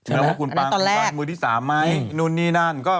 อันนั้นตอนแรก